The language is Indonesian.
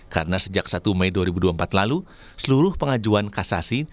karena sejak satu mei dua ribu dua puluh empat lalu seluruh pengajuan kasasi